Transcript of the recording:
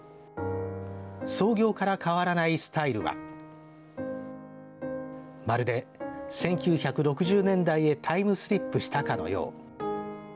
創業から変わらないスタイルはまるで１９６０年代へタイムスリップしたかのよう。